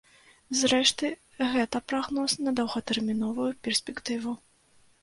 Зрэшты, гэта прагноз на доўгатэрміновую перспектыву.